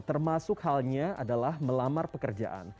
termasuk halnya adalah melamar pekerjaan